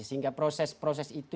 sehingga proses proses itu